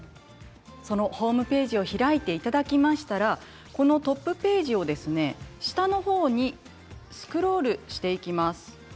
そのホームページを開いていただきましたらそのトップページを下の方にスクロールしていきます。